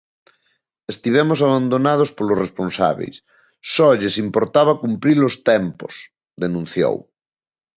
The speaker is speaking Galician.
"Estivemos abandonados polos responsábeis, só lles importaba cumprir os tempos", denunciou.